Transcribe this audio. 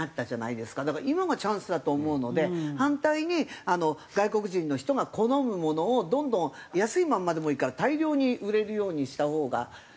だから今がチャンスだと思うので反対に外国人の人が好むものをどんどん安いまんまでもいいから大量に売れるようにしたほうがいいんじゃないかな。